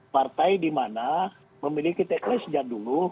partai di mana memiliki teknis sejak dulu